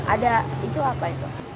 ada itu apa itu